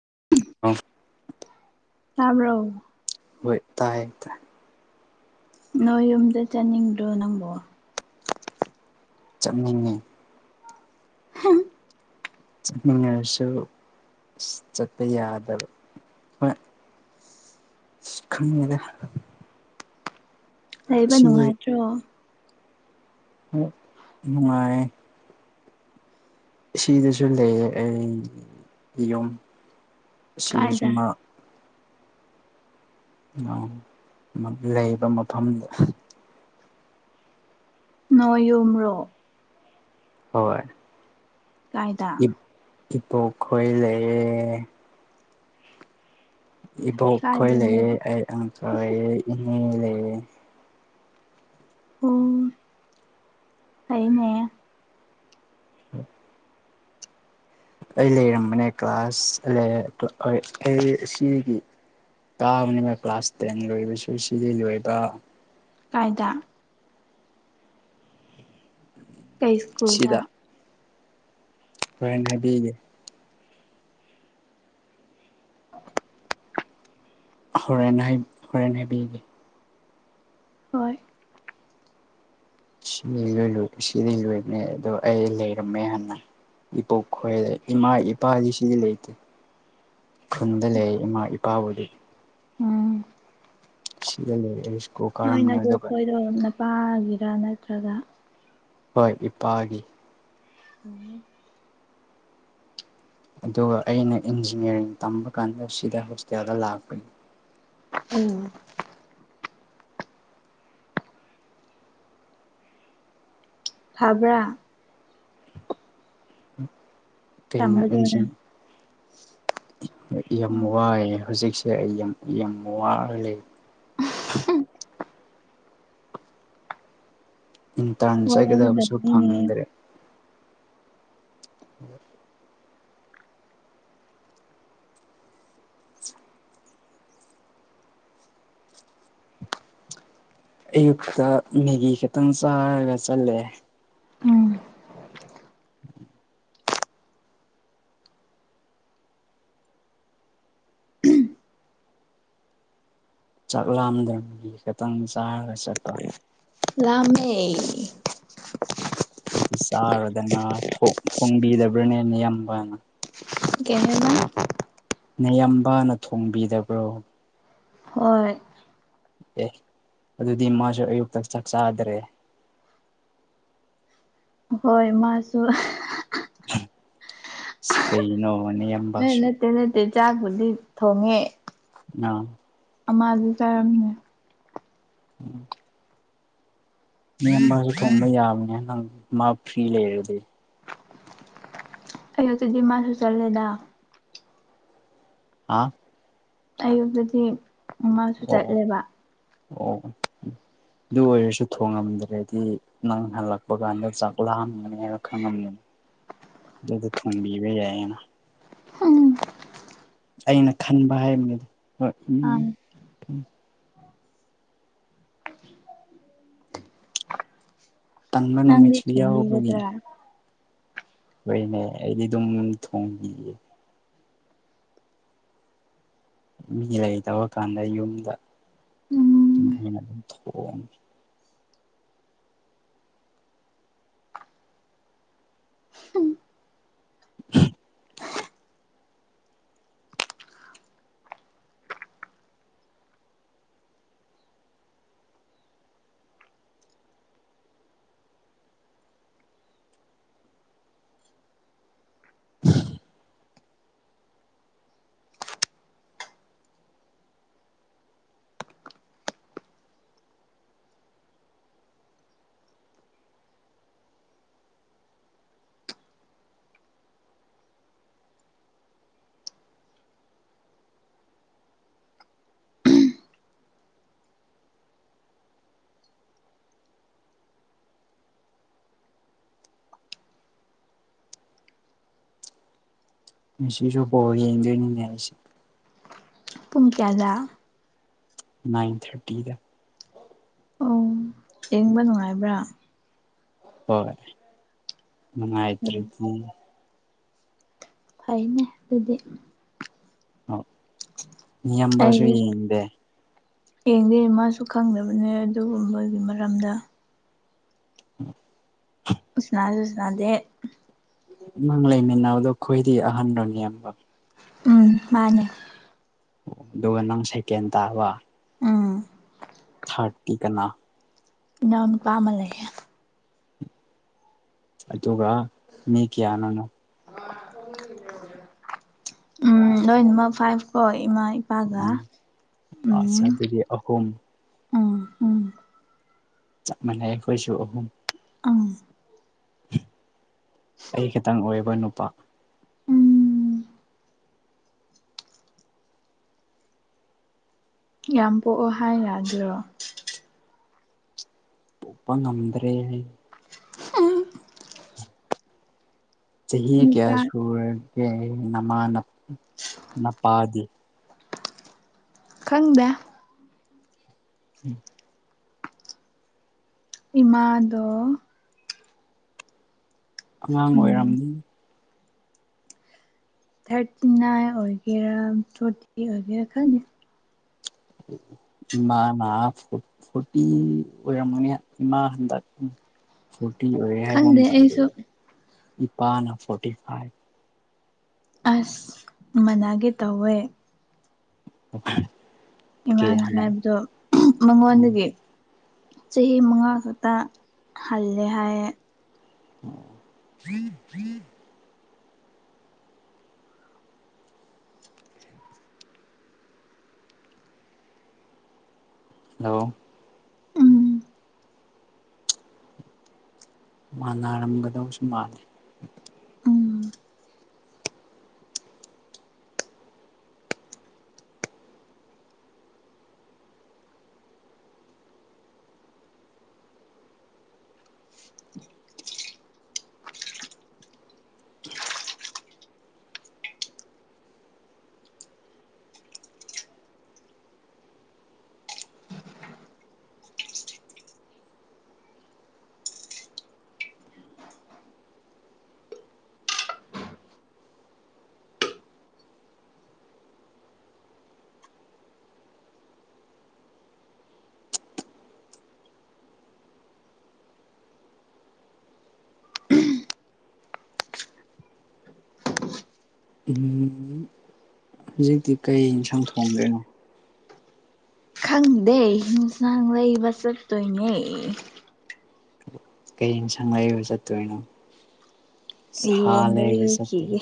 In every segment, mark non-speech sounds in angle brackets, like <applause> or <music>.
<unintelligible> ꯇꯥꯕ꯭ꯔꯣ ꯍꯣꯏ ꯇꯥꯏꯌꯦ ꯇꯥꯏ ꯅꯣꯏ ꯌꯨꯝꯗ ꯆꯠꯅꯤꯡꯗ꯭ꯔꯣ ꯅꯪꯕꯣ ꯆꯠꯅꯤꯡꯉꯤ ꯍꯨꯝ ꯆꯠꯅꯤꯡꯉꯁꯨ ꯆꯠꯄ ꯌꯥꯗꯕ ꯍꯣꯏ ꯈꯪꯗꯦꯗ ꯂꯩꯕ ꯅꯨꯡꯉꯥꯏꯇ꯭ꯔꯣ ꯥꯅꯨꯡꯉꯥꯏꯌꯦ ꯁꯤꯗꯁꯨ ꯂꯩꯌꯦ ꯑꯩ ꯌꯨꯝ ꯁꯤꯗꯁꯨ ꯀꯥꯏꯗ ꯃꯥ ꯅꯣꯡ ꯑꯃꯀ ꯂꯩꯕ ꯃꯐꯝꯗ ꯅꯣꯏ ꯌꯨꯝꯔꯣ ꯍꯣꯏ ꯀꯥꯏꯗ ꯇꯣꯞꯈꯣꯏ ꯂꯩꯌꯦ ꯏꯕꯣꯛ ꯈꯣꯏ ꯀꯥꯏꯗꯅꯣ ꯂꯩꯌꯦ ꯑꯩ ꯑꯪꯈꯣꯏ ꯏꯅꯦ ꯂꯩꯌꯦ ꯑꯣ ꯐꯩꯅꯦ <unintelligible> ꯑꯩ ꯂꯩꯔꯝꯕꯅꯦ ꯀ꯭ꯂꯥꯁ ꯑꯩ ꯁꯤꯒꯤ ꯀꯥꯕꯅꯤꯅ ꯀ꯭ꯂꯥꯁ ꯇꯦꯟ ꯂꯣꯏꯕꯁꯨ ꯁꯤꯗꯤ ꯂꯣꯏꯕ ꯀꯥꯏꯗ ꯀꯩꯁꯀꯨ꯭ꯜꯗ ꯁꯤꯗ ꯍꯣꯔꯦꯟ ꯍꯥꯏꯕꯤꯒꯦ <unintelligible> ꯍꯣꯔꯦꯟ ꯍꯥꯏ ꯍꯣꯔꯦꯟ ꯍꯥꯏꯕꯤꯒꯦ ꯍꯣꯏ ꯁꯤꯗꯤ ꯂꯣꯏ ꯂꯣꯏ ꯁꯤꯗꯤ ꯂꯣꯏꯕꯅꯦ ꯑꯗꯣ ꯑꯩ ꯂꯩꯔꯝꯃꯦ ꯍꯥꯟꯅ ꯏꯄꯣꯛ ꯈꯣꯏ ꯏꯃꯥ ꯏꯄꯥꯗꯤ ꯁꯤꯗꯤ ꯂꯩꯇꯦ ꯈꯨꯟꯗ ꯂꯩ ꯏꯃꯥ ꯏꯄꯥꯕꯨꯗꯤ ꯎꯝ ꯁꯤꯗ ꯂꯩ ꯑꯩ ꯁ꯭ꯀꯨꯜ ꯅꯣꯏ ꯀꯥꯔꯝꯕꯅꯦ ꯅꯕꯣꯛ ꯑꯗꯨꯒ ꯈꯣꯏꯗꯣ ꯅꯄꯥꯒꯤꯔꯥ ꯅꯠꯇ꯭ꯔꯒ ꯍꯣꯏ ꯏꯄꯥꯒꯤ ꯑ ꯑꯗꯨꯒ ꯑꯩꯅ ꯏꯟꯖꯤꯅꯤꯌꯥꯔꯤꯡ ꯇꯝꯕ ꯀꯥꯟꯗ ꯁꯤꯗ ꯍꯣꯁꯇꯦꯜꯗ ꯂꯥꯛꯄꯅꯤ ꯎꯝ ꯐꯕ꯭ꯔꯥ ꯇꯝꯕꯗꯣ ꯀꯩꯅꯁꯤꯡ ꯅꯪ ꯌꯥꯝ ꯋꯥꯏꯌꯦ ꯍꯧꯖꯤꯛꯁꯦ ꯑꯩ ꯌꯥꯝ ꯌꯥꯝ ꯋꯥꯔ ꯂꯩ ꯎꯝꯍꯨꯝ ꯏꯟꯇꯟ ꯆꯥꯏꯒꯗꯕꯁꯨ ꯋꯥꯒꯗꯕꯅꯤꯅꯦ ꯐꯪꯗ꯭ꯔꯦ <unintelligible> ꯑꯌꯨꯛꯇ ꯃꯦꯒꯤ ꯈꯤꯇꯪ ꯆꯥꯔꯒ ꯆꯠꯂꯦ ꯎꯝ ꯆꯥꯛ ꯂꯥꯝꯗꯪ ꯃꯦꯒꯤ ꯈꯤꯇꯪ ꯆꯥꯔꯒ ꯆꯠꯄ ꯂꯥꯝꯃꯦ ꯑꯗꯨꯗꯤ ꯆꯥꯔꯣꯗꯅ ꯊꯣꯡ ꯊꯣꯡꯕꯤꯗꯕ꯭ꯔꯅꯦ ꯅꯌꯥꯝꯕꯅ ꯀꯩ ꯍꯥꯏꯕ ꯅꯌꯥꯝꯕꯥꯅ ꯊꯣꯡꯕꯤꯗꯕ꯭ꯔꯣ ꯍꯣꯏ ꯑꯦ ꯑꯗꯨꯗꯤ ꯃꯥꯁꯨ ꯑꯌꯨꯛꯇ ꯆꯥꯛ ꯆꯥꯗ꯭ꯔꯦ <inaudible> ꯍꯣꯏ ꯃꯥꯁꯨ ꯀꯩꯅꯣ ꯅꯌꯥꯝꯕꯁꯨ ꯆꯥꯛꯕꯨꯗꯤ ꯊꯣꯡꯉꯦ ꯑꯥ ꯑꯃꯖꯨ ꯆꯥꯔꯝꯃꯦ ꯎꯝ ꯅꯌꯥꯝꯕꯁꯨ ꯊꯣꯡꯕ ꯌꯥꯕꯅꯦ ꯅꯪ ꯃꯥ ꯐꯔꯤ ꯂꯩꯔꯗꯤ ꯑꯌꯨꯛꯇ ꯗꯤꯃꯥꯁꯨ ꯆꯠꯂꯦꯗ ꯑꯥ ꯑꯌꯨꯛꯇꯗꯤ ꯃꯁꯨ ꯑꯣ ꯆꯠꯂꯦꯕ ꯑꯣ ꯑꯗꯨ ꯑꯣꯏꯔꯁꯨ ꯊꯣꯡꯉꯝꯗ꯭ꯔꯗꯤ ꯅꯪ ꯍꯜꯂꯛꯄ ꯀꯥꯟꯗ ꯆꯥꯛ ꯂꯥꯝꯒꯅꯤ ꯍꯥꯏꯅ ꯈꯪꯉꯝꯒꯅꯤ ꯑꯗꯨ ꯊꯣꯡꯕꯤꯕ ꯌꯥꯏꯌꯦꯅ ꯎꯝ ꯑꯩꯅ ꯈꯟꯕ ꯍꯥꯏꯕꯅꯤꯗ ꯍꯣꯏ ꯎꯝ ꯑꯪ ꯇꯟꯕ ꯅꯪꯗꯤ ꯅꯨꯃꯤꯠꯁꯨ ꯌꯥꯎꯕꯒꯤꯅꯤ ꯊꯣꯡꯕꯤꯒꯗ꯭ꯔꯥ ꯍꯣꯏꯅꯦ ꯑꯩꯗꯤ ꯑꯗꯨꯝ ꯊꯣꯡꯕꯤꯒꯦ ꯃꯤ ꯂꯩꯇꯕ ꯀꯥꯟꯗ ꯌꯨꯝꯗ ꯑꯗꯨꯝ ꯎꯝ ꯑꯩꯅ ꯑꯗꯨꯝ ꯊꯣꯡꯉꯦ <unintelligible> ꯉꯁꯤꯁꯨ ꯕꯣꯜ ꯌꯦꯡꯗꯣꯏꯅꯤꯅꯦ ꯑꯩꯁꯦ ꯄꯨꯡ ꯀꯌꯥꯗꯥ ꯅꯥꯏꯟ ꯊꯔꯇꯤꯗ ꯑꯣ ꯌꯦꯡꯕ ꯅꯨꯡꯉꯥꯏꯕ꯭ꯔꯥ ꯍꯣꯏ ꯎꯝ ꯅꯨꯡꯉꯥꯏꯇ꯭ꯔꯗꯤ ꯐꯩꯅꯦ ꯑꯗꯨꯗꯤ ꯑꯣ ꯅꯌꯝꯕꯁꯨ ꯑꯩꯗꯤ ꯌꯦꯡꯗꯦ ꯌꯦꯡꯗꯦ ꯃꯥꯁꯨ ꯈꯪꯗꯕꯅꯦ ꯑꯗꯨꯒꯨꯝꯕꯒꯤ ꯃꯔꯝꯗ <inaudible> ꯎꯁꯅꯥꯁꯨ ꯁꯅꯥꯗꯦ ꯅꯪ ꯂꯩꯃꯤꯟꯅꯕꯗꯣ ꯈꯣꯏꯗꯤ ꯑꯍꯟꯔꯣ ꯃꯌꯝꯕ ꯎꯝ ꯃꯥꯅꯦ ꯑꯣ ꯑꯗꯨꯒ ꯅꯪ ꯁꯦꯀꯦꯟ ꯇꯥꯕ ꯎꯝ ꯊꯔꯇꯤ ꯀꯅꯥ ꯏꯅꯥꯎ ꯅꯨꯄꯥ ꯑꯃ ꯂꯩꯌꯦ ꯑꯗꯨꯒ ꯃꯤ ꯀꯌꯥꯅꯣ ꯅꯣꯏ ꯎꯝ ꯂꯣꯏꯅꯃ ꯐꯥꯏꯚ ꯐꯣꯏ ꯏꯃꯥ ꯏꯄꯥꯒ ꯑꯪ ꯑꯁ ꯎꯝ ꯑꯗꯨꯗꯤ ꯑꯍꯨꯝ ꯎꯝ ꯎꯝ ꯆꯞ ꯃꯅꯩ ꯈꯣꯏꯁꯨ ꯑꯍꯨꯝ ꯎꯝ ꯑꯩ ꯈꯤꯇꯪ ꯑꯣꯏꯔꯤꯕ ꯅꯨꯄꯥ ꯎꯝ ꯌꯥꯝ ꯄꯣꯛꯑꯣ ꯍꯥꯏ ꯌꯥꯗ꯭ꯔꯣ ꯄꯣꯛꯄ ꯉꯝꯗ꯭ꯔꯦ ꯍꯥꯏ ꯆꯍꯤ ꯀꯌꯥ ꯅꯨꯄꯥ ꯁꯨꯔꯒꯦ ꯅꯃꯥ ꯅꯄꯥꯗꯤ ꯈꯪꯗꯦ ꯎꯝ ꯏꯃꯥꯗꯣ ꯑꯉꯥꯡ ꯎꯝ ꯑꯣꯏꯔꯝꯅꯤ ꯊꯥꯔꯇꯤ ꯅꯥꯏꯟ ꯑꯣꯏꯒꯦꯔ ꯐꯣꯔꯇꯤ ꯑꯣꯏꯒꯦꯔ ꯈꯪꯗꯦ ꯏꯃꯥꯅ ꯐꯣꯔꯇꯤ ꯑꯣꯏꯔꯃꯅꯤ ꯏꯃꯥ ꯍꯟꯗꯛ ꯐꯣꯔꯇꯤ ꯑꯣꯏ ꯍꯥꯏꯒꯨꯝ ꯈꯪꯗꯦ ꯇꯧꯋꯦ ꯑꯩꯁꯨ ꯏꯄꯥꯅ ꯐꯣꯔꯇꯤ ꯐꯥꯏꯚ ꯑꯁ ꯃꯅꯥꯒꯦ ꯇꯧꯋꯦ <unintelligible> ꯀꯦ ꯏꯃꯥꯅ ꯍꯥꯟꯅ ꯍꯥꯏꯕꯗꯣ ꯍꯜꯂꯣ ꯃꯉꯣꯟꯗꯒꯤ ꯆꯍꯤ ꯃꯉꯥ ꯈꯛꯇ ꯍꯜꯂꯦ ꯍꯥꯏꯌꯦ <unintelligible> ꯂꯣ ꯎꯝ ꯃꯥꯅꯥꯔꯝꯒꯗꯧꯁꯨꯨꯝ ꯃꯥꯂꯦ ꯎꯝ ꯎꯝ ꯍꯧꯖꯤꯛꯇꯤ ꯀꯩ ꯌꯦꯟꯁꯥꯡ ꯊꯣꯡꯗꯣꯏꯅꯣ ꯈꯪꯗꯦ ꯍꯤꯟꯁꯥꯡ ꯂꯩꯕ ꯆꯠꯇꯣꯏꯅꯦ ꯀꯩ ꯏꯟꯁꯥꯡ ꯂꯩꯕ ꯆꯠꯇꯣꯏꯅꯣ ꯁꯥ ꯌꯦꯟ ꯂꯩꯕ ꯆꯠꯇꯣꯏ ꯂꯩꯔꯨꯈꯤꯒꯦ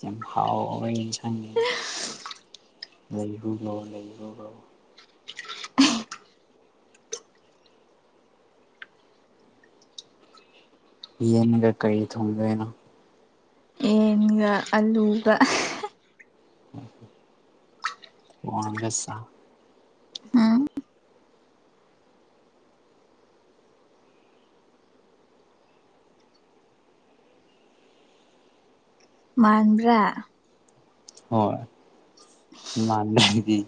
ꯌꯥꯝ ꯍꯥꯎꯕꯩ ꯍꯤꯟꯁꯥꯡꯅꯦꯗ ꯂꯩꯔꯨꯔꯣ ꯂꯩꯔꯨꯔꯣ ꯌꯦꯟꯒ ꯀꯩ ꯊꯣꯡꯗꯣꯏꯅꯣ ꯌꯦꯟꯒ ꯑꯂꯨꯒ <unintelligible> ꯎꯝ ꯃꯥꯟꯕ꯭ꯔꯥ ꯍꯣꯏ ꯃꯥꯟꯗ꯭ꯔꯗꯤ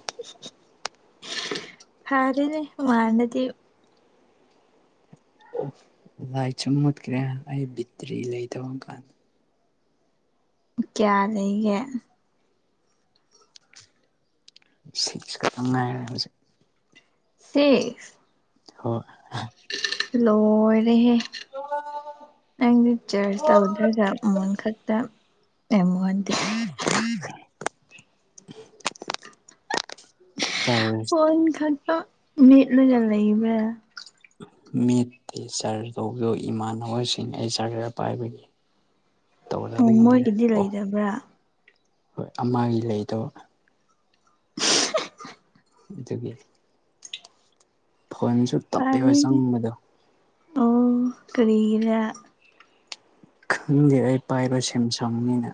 ꯐꯔꯦꯅꯦ ꯃꯥꯅꯗꯤ ꯑꯣ ꯂꯥꯏꯇꯁꯨꯨ ꯃꯨꯠꯈ꯭ꯔꯦ ꯑꯩ ꯕꯤꯠꯇ꯭ꯔꯤ ꯂꯩꯇꯕ ꯀꯥꯟ ꯀ꯭ꯌꯥ ꯂꯩꯒꯦ ꯁꯤꯛꯁ ꯈꯛꯇ ꯉꯥꯏꯔꯦ ꯍꯧꯖꯤꯛ ꯁꯤꯛꯁ ꯍꯣꯏ ꯂꯣꯏꯔꯦꯍꯦ ꯅꯪꯗꯤ ꯆꯔꯁ ꯇꯧꯗ꯭ꯔꯒ ꯃꯣꯟ ꯈꯛꯇ ꯑꯦꯃꯣꯟꯗꯦ <unintelligible> ꯆꯥꯔꯖ ꯐꯣꯟ ꯈꯛꯇ ꯃꯦꯠꯂꯒ ꯂꯩꯕ꯭ꯔꯥ ꯃꯦꯠꯇꯦ ꯆꯔꯖ ꯇꯧꯕꯗꯣ ꯏꯃꯥꯟꯅꯕꯁꯤꯡ ꯑꯩ ꯆꯥꯔꯖꯔ ꯄꯥꯏꯕꯒꯤ ꯑꯣ ꯇꯧꯗꯕꯒꯤꯅꯤꯗ ꯃꯣꯏꯒꯤꯗꯤ ꯑꯣ ꯂꯩꯗꯕ꯭ꯔꯥ ꯍꯣꯏ ꯑꯃꯒꯤ ꯂꯩꯇꯕ ꯗꯨꯒꯤ ꯐꯣꯟꯁꯨ ꯇꯞꯄꯦꯕ ꯆꯪꯕꯗꯣ ꯀꯔꯤꯒꯤꯅꯥ ꯈꯪꯗꯦ ꯑꯩ ꯄꯥꯏꯕ ꯁꯦꯝꯁꯪꯅꯤꯅ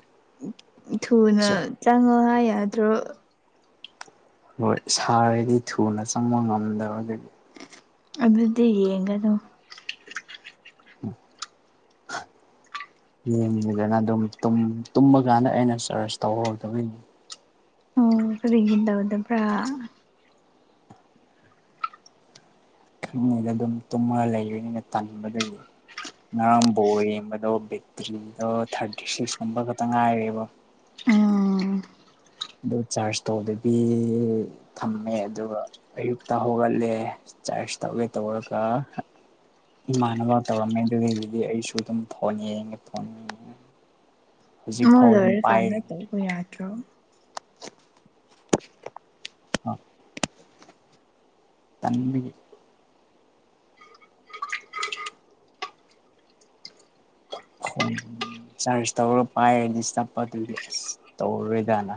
ꯊꯨꯅ ꯆꯪꯉꯣ ꯍꯥꯏ ꯌꯥꯗ꯭ꯔꯣ ꯍꯣꯏ ꯁꯥꯔꯗꯤ ꯊꯨꯅ ꯆꯪꯕ ꯉꯝꯗꯕ ꯗꯨꯒꯤ ꯑꯗꯨꯗꯤ ꯌꯦꯡꯒꯅꯣ <unintelligible> <unintelligible> ꯌꯦꯡꯉꯤꯗꯅ ꯑꯗꯨꯝ ꯇꯨꯝ ꯇꯨꯝꯕ ꯀꯥꯟꯗ ꯑꯩꯅ ꯆꯔꯁ ꯇꯧꯍꯧꯗꯕꯩꯅꯤ ꯑꯣ ꯀꯔꯤꯒꯤ ꯇꯧꯗꯕ꯭ꯔꯥ ꯈꯪꯗꯦꯗ ꯑꯗꯨꯝ ꯇꯨꯝꯃꯒ ꯂꯩꯕꯅꯤꯅ ꯇꯟꯕꯗꯨꯒꯤ ꯉꯔꯥꯡ ꯕꯣꯜ ꯌꯦꯡꯕꯗꯣ ꯕꯦꯠꯇ꯭ꯔꯤꯗꯣ ꯊꯥꯔꯇꯤ ꯁꯤꯛꯁꯀꯨꯝꯕ ꯈꯛꯇ ꯉꯥꯏꯔꯦꯕ ꯑꯝ ꯑꯗꯨ ꯆꯥꯔꯖ ꯇꯧꯕꯗꯕꯤ ꯊꯝꯃꯦ ꯑꯗꯨꯒ ꯑꯌꯨꯛꯇ ꯍꯧꯒꯠꯂꯦ ꯆꯥꯁ ꯇꯧꯒꯦ ꯇꯧꯔꯒ ꯏꯃꯥꯟꯅꯕ ꯇꯧꯔꯝꯃꯦ ꯑꯗꯨꯗꯒꯤꯗꯤ ꯑꯩꯁꯨ ꯑꯗꯨꯝ ꯐꯣꯟ ꯌꯦꯡꯉꯦ ꯐꯣꯟꯉꯦ ꯃꯣꯏ ꯂꯣꯏꯔ ꯀꯥꯟꯗ ꯇꯧꯕ ꯌꯥꯗ꯭ꯔꯣ ꯑ ꯇꯟꯕꯒꯤ <unintelligible> ꯆꯔꯁ ꯇꯧꯔ ꯄꯥꯏꯔꯗꯤ ꯆꯞꯄ ꯑꯗꯨꯒꯤ ꯑꯁ ꯇꯧꯔꯔꯣꯏꯗꯅ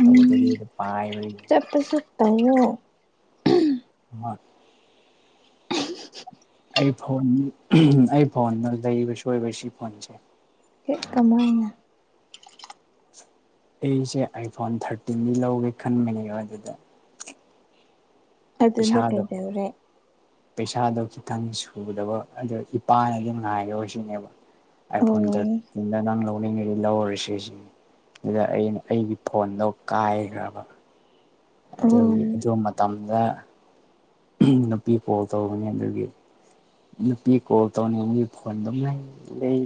ꯎꯝ ꯇꯧꯗꯕꯤ ꯑꯗꯨꯝ ꯄꯥꯏ ꯆꯠꯄꯁꯨ ꯇꯧꯋꯣ ꯃ ꯑꯩ ꯐꯣꯟ ꯑꯩ ꯐꯣꯟꯗ ꯂꯩꯕꯁꯣꯏꯕ ꯁꯤ ꯐꯣꯟꯁꯦ ꯑꯦ ꯀꯃꯥꯏꯅ ꯑꯩꯁꯦ ꯑꯥꯏꯐꯣꯟ ꯊꯥꯔꯇꯤꯟꯅꯤ ꯂꯧꯒꯦ ꯈꯟꯕꯅꯦꯕ ꯑꯗꯨꯗ ꯑꯗꯨꯗ ꯄꯩꯁꯥꯗꯣ ꯀꯩꯗꯧꯔꯦ ꯄꯩꯁꯥꯗꯣ ꯈꯤꯇꯪ ꯁꯨꯗꯕ ꯑꯗꯨ ꯏꯄꯥꯅꯗꯤ ꯉꯥꯏꯔꯧꯁꯤꯅꯦꯕ ꯑꯩ ꯑꯣ ꯐꯣꯟꯗ ꯊꯔꯠ ꯅꯪ ꯂꯧꯅꯤꯡꯉ ꯁꯤ ꯂꯧꯔꯁꯤꯁꯤꯅꯤ ꯑꯗꯨꯗ ꯑꯩꯅ ꯑꯩꯒꯤ ꯐꯣꯟꯗꯣ ꯀꯥꯏꯈ꯭ꯔꯕ ꯑꯣ ꯑꯗꯨꯒꯤ ꯑꯗꯨ ꯃꯇꯝꯗ ꯅꯨꯄꯤ ꯀꯣꯜ ꯇꯧꯕꯅꯤ ꯑꯗꯨꯒꯤ ꯅꯨꯄꯤ ꯀꯣꯜ ꯇꯧꯅꯤꯡꯕꯒꯤ ꯐꯣꯟ ꯑꯗꯨꯝ ꯂꯩ ꯂꯩ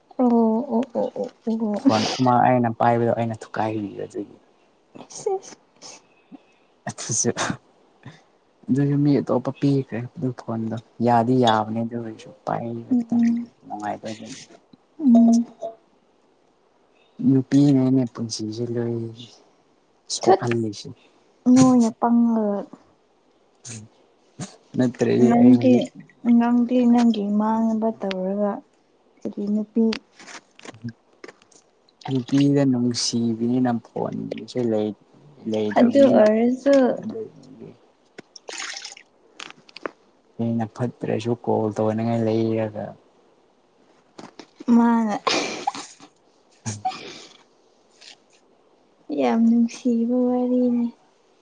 ꯑꯣ ꯑꯣ ꯑꯣ ꯑꯣ ꯐꯣꯟ ꯑꯣ ꯑꯃ ꯑꯩꯅ ꯑꯣ ꯄꯥꯏꯕꯗꯣ ꯑꯩꯅ ꯊꯨꯒꯥꯏꯒ ꯑꯗꯨꯒꯤ <unintelligible> ꯑꯗꯨꯁꯨ ꯑꯗꯨꯁꯨ ꯃꯤ ꯑꯇꯣꯞꯄ ꯄꯤꯈ꯭ꯔꯦ ꯑꯗꯨ ꯐꯣꯟꯗꯣ ꯌꯥꯗꯤ ꯌꯥꯕꯅꯦ ꯑꯗꯨ ꯑꯣꯏꯔꯁꯨ ꯄꯥꯏ ꯕ ꯇꯪ ꯎꯝ ꯅꯨꯡꯉꯥꯏꯕ ꯑꯗꯨꯝ ꯎꯝ ꯅꯨꯄꯤꯅꯅꯦ ꯄꯨꯟꯁꯤꯁꯦ ꯂꯣꯏ ꯊꯨꯠ ꯁꯣꯛꯍꯜꯂꯤꯁꯦ ꯅꯣꯏꯅ ꯄꯪꯉꯒ <inaudible> ꯑꯩ ꯅꯪꯗꯤ ꯍꯧꯖꯤꯛ ꯑꯉꯪ ꯏ ꯅꯪꯒꯤ ꯃꯥꯡꯅꯕ ꯇꯧꯔꯒ ꯀꯔꯤ ꯅꯨꯄꯤ ꯅꯨꯄꯤꯗ ꯅꯨꯡꯁꯤꯕꯤꯅꯤꯅ ꯐꯣꯟꯕꯁꯨ ꯂꯩ ꯂꯩ ꯑꯗꯨ ꯇꯕꯅꯤꯅ ꯑꯣꯏꯔꯁꯨ ꯑꯗꯨꯒꯤ ꯑꯩꯅ ꯐꯠꯇ꯭ꯔꯁꯨ ꯀꯣꯜ ꯇꯧꯅꯤꯡꯉꯥꯏ ꯂꯩꯔꯒ ꯃꯥꯅ ꯌꯥꯝ ꯅꯨꯡꯁꯤꯕ ꯋꯥꯔꯤꯅꯦ